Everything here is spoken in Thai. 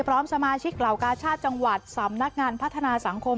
พร้อมสมาชิกเหล่ากาชาติจังหวัดสำนักงานพัฒนาสังคม